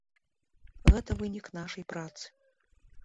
Гэта вынік нашай працы.